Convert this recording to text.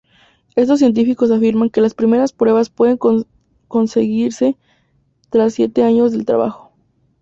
Estos científicos afirman que las primeras pruebas pueden conseguirse tras siete años de trabajo.